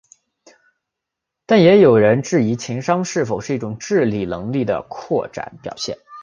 但也有人质疑情商是否是一种智力能力的扩展表现。